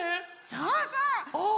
そうそう！